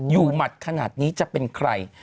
หมัดขนาดนี้จะเป็นใคร